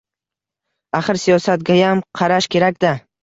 Axir, siyosatgayam qarash kerak-da!